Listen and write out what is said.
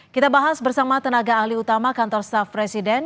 kita bahas bersama tenaga ahli utama kantor staff presiden